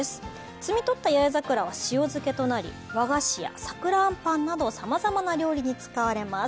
摘み取った八重桜は塩漬けとなり、和菓子や桜あんパンなどさまざまな料理に使われます。